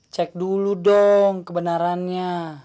cek dulu dong kebenarannya